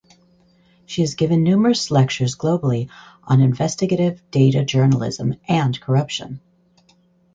She has given numerous lectures globally on investigative data journalism and corruption.